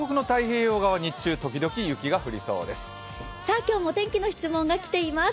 今日もお天気の質問が来ています。